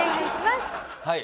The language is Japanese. はい。